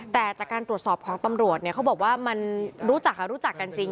แต่จากการตรวจสอบของตำรวจเนี่ยเขาบอกว่ามันรู้จักค่ะรู้จักกันจริง